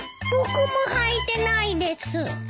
僕もはいてないです。